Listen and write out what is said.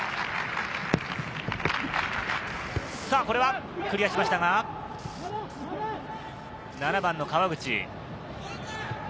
これはクリアしましたが、７番の川口。